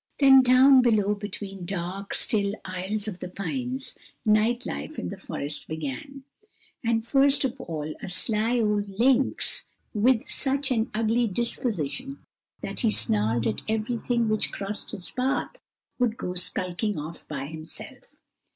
Then down below between dark, still aisles of the pines, night life in the forest began, and first of all a sly old lynx, with such an ugly disposition that he snarled at everything which crossed his path, would go skulking off by himself.